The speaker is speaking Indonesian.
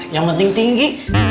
yang penting tinggi